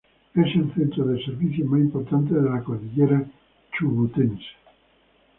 Es el centro de servicios más importante de la cordillera chubutense.